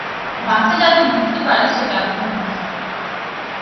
বাচ্চা যাদব বুঝতে পারে সে ব্যবহৃত হচ্ছে।